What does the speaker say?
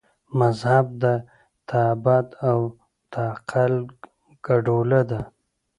مذهب د تعبد او تعقل ګډوله ده.